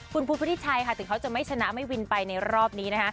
คุณพุทธพุทธิชัยค่ะถึงเขาจะไม่ชนะไม่วินไปในรอบนี้นะคะ